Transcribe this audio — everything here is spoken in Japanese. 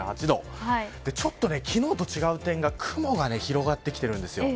ちょっと昨日と違う点が雲が広がってきているんです。